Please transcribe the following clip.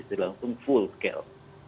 terbit langsung full scale